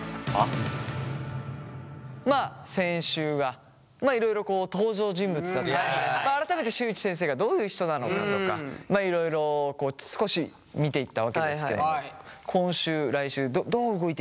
まあ先週はまあいろいろこう登場人物だったり改めて新内先生がどういう人なのかとかまあいろいろこう少し見ていったわけですけれども今週来週どう動いていくのか？